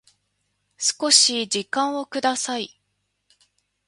少し時間をください